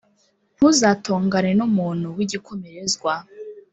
Ntuzatongane n’umuntu w’igikomerezwa,